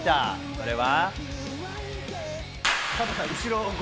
それは。